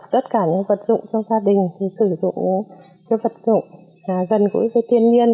tất cả những vật dụng trong gia đình sử dụng những vật dụng gần gũi với thiên nhiên